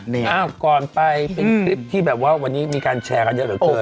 นี่อ้าวก่อนไปเป็นคลิปที่แบบว่าวันนี้มีการแชร์กันเยอะเหลือเกิน